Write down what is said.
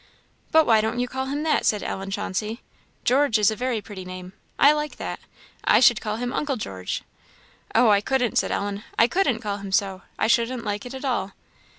"But why don't you call him that?" said Ellen Chauncey; "George is a very pretty name I like that. I should call him 'Uncle George.' " "Oh, I couldn't!" said Ellen "I couldn't call him so; I shouldn't like it at all."